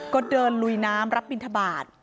ก็เดินลุยน้ำรับบินทบาท